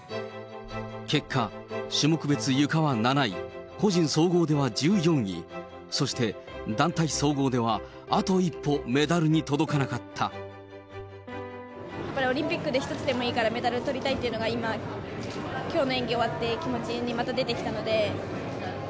結果、種目別ゆかは７位、個人総合では１４位、そして団体総合では、やっぱりオリンピックで、一つでもいいからメダルとりたいっていうのが、今、きょうの演技終わって、気持ちにまた出てきたので。